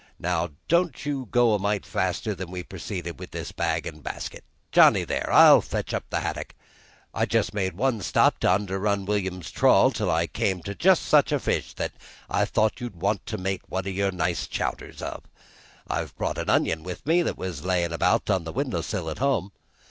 Now don't you go a mite faster than we proceed with this bag an' basket. Johnny, there, 'll fetch up the haddock. I just made one stop to underrun William's trawl till I come to jes' such a fish's I thought you'd want to make one o' your nice chowders of. I've brought an onion with me that was layin' about on the window sill at home."